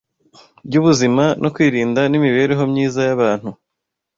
ry’ubuzima no kwirinda n’imibereho myiza y’abantu.